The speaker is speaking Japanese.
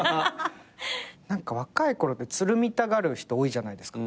何か若いころってつるみたがる人多いじゃないですか。